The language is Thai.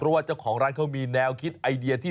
เพราะว่าเจ้าของร้านเขามีแนวคิดไอเดียที่